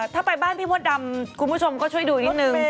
ถ้าไปบ้านพี่มดดำคุณผู้ชมก็ช่วยดูนิดนึง